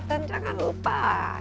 dan jangan lupa